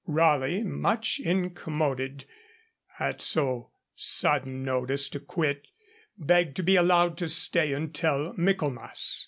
Raleigh, much incommoded at so sudden notice to quit, begged to be allowed to stay until Michaelmas.